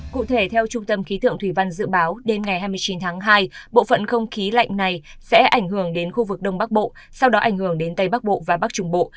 cụ thể theo trung tâm khí tượng thủy văn dự báo đêm ngày hai mươi chín tháng hai bộ phận không khí lạnh này sẽ ảnh hưởng đến khu vực đông bắc bộ sau đó ảnh hưởng đến tây bắc bộ và bắc trung bộ